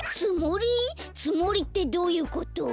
つもりってどういうこと？